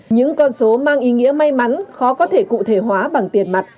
những con số mang ý nghĩa may mắn khó có thể cụ thể hóa bằng tiền mặt